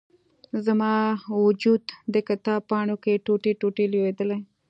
زما و جود، د کتاب پاڼو کې، ټوټي، ټوټي لویدلي